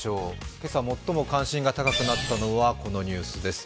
今朝最も関心が高くなったのはこのニュースです。